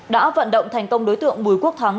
đã vận động thành công đối tượng bùi quốc thắng